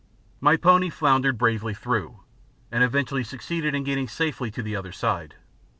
My pony floundered bravely through, and eventually succeeded in getting safely to the other side.